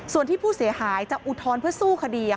ส่วนที่ผู้เสียหายจะอุทธรณ์เพื่อสู้คดี